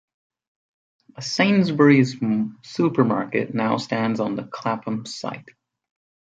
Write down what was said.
A Sainsbury's supermarket now stands on the Clapham site.